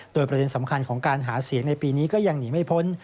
โดยประเด็นสำคัญของการหาเสียงในปีนี้ก็ยังหนีไม่พ้น